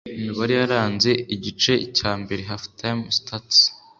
Imibare yaranze igice cya mbere (Half-Time Stats)